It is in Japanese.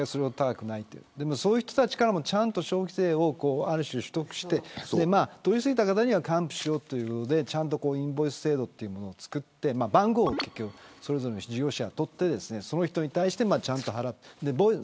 そういう人たちからもちゃんと消費税を取得して取り過ぎた方には還付しようというのでインボイス制度を作って番号をそれぞれの事業者に取ってその人に対して、ちゃんと払う。